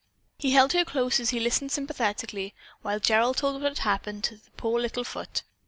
He held her close as he listened sympathetically while Gerald told what had happened to the poor little foot.